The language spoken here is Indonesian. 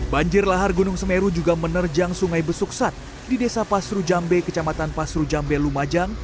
banjir lahar gunung semeru juga menerjang sungai besuksat di desa pasru jambe kecamatan pasru jambe lumajang